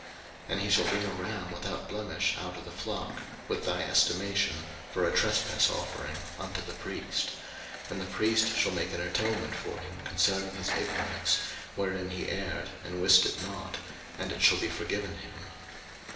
03:005:018 And he shall bring a ram without blemish out of the flock, with thy estimation, for a trespass offering, unto the priest: and the priest shall make an atonement for him concerning his ignorance wherein he erred and wist it not, and it shall be forgiven him.